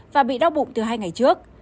và bị đau bụng từ hai ngày trước